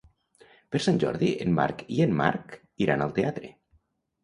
Per Sant Jordi en Marc i en Marc iran al teatre.